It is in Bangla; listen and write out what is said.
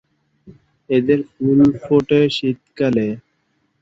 এদের ফুল ফোটে শীতকালে।